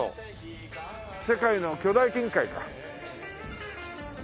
世界の巨大金塊か。